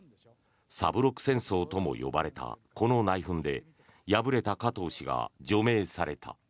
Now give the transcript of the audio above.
三六戦争とも呼ばれたこの内紛で敗れた加藤氏が除名された。